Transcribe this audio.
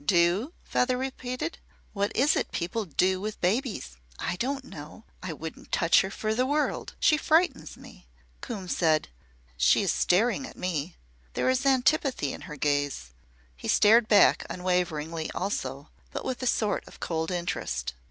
"Do?" Feather repeated. "What is it people 'do' with babies? I don't know. I wouldn't touch her for the world. She frightens me." Coombe said: "She is staring at me. There is antipathy in her gaze." He stared back unwaveringly also, but with a sort of cold interest.